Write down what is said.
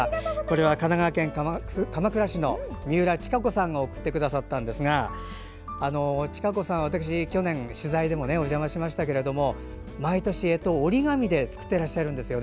神奈川県鎌倉市の三浦親子さんが送ってくださったんですが親子さん、私、去年取材でもお邪魔しましたけど毎年、えとを折り紙で作っていらっしゃるんですね。